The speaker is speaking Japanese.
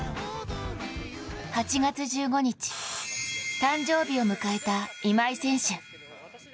８月１５日、誕生日を迎えた今井選手。